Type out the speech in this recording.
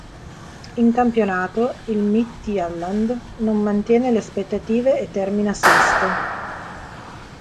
In campionato il Midtjylland non mantiene le aspettative e termina sesto.